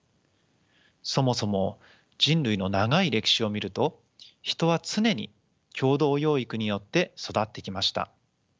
そもそも人類の長い歴史を見ると人は常に共同養育によって育ってきました。